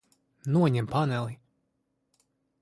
Noņem paneli.